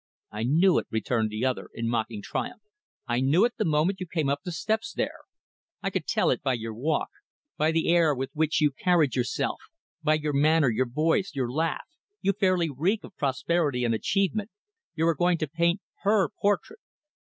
"I knew it" returned the other, in mocking triumph "I knew it the moment you came up the steps there. I could tell it by your walk; by the air with which you carried yourself; by your manner, your voice, your laugh you fairly reek of prosperity and achievement you are going to paint her portrait."